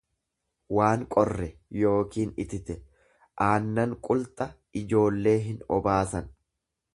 waan qorre yookiin itite; Aannan qulxa ijoollee hinobaasan.